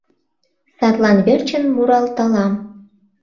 Садлан верчын муралталам.